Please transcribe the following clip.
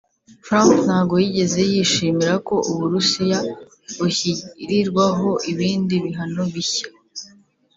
Trump ntabwo yigeze yishimira ko Uburusiya bushyirirwaho ibindi bihano bishya